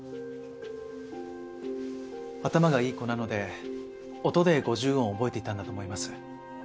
頭がいい子なので音で五十音覚えていたんだと思います。